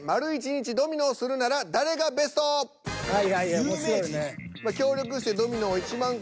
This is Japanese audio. はいはい面白いね。